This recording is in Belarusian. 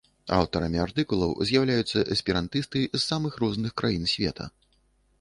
Аўтарамі артыкулаў з'яўляюцца эсперантысты з самых розных краін света.